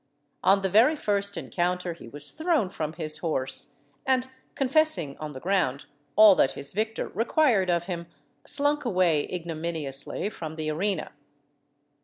On the very first encounter he was thrown from his horse, and, confessing on the ground all that his victor required of him, slunk away ignominiously from the arena.